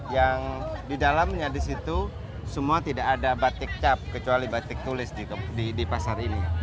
yang di dalamnya di situ semua tidak ada batik cap kecuali batik tulis di pasar ini